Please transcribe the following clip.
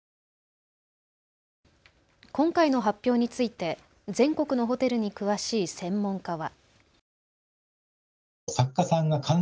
今回の発表について全国のホテルに詳しい専門家は。